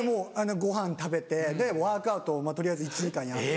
ごはん食べてでワークアウトを取りあえず１時間やって。